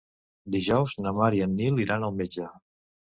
Dijous na Mar i en Nil iran al metge.